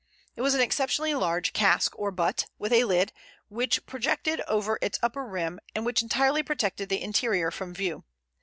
It was an exceptionally large cask or butt, with a lid which projected over its upper rim and which entirely protected the interior from view.